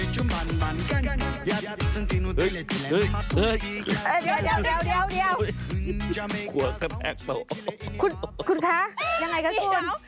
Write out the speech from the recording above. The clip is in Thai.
คุณคะยังไงคะคุณ